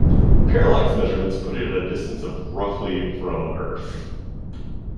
Parallax measurements put it at a distance of roughly from Earth.